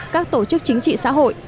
các tổ chức chính trị xã hội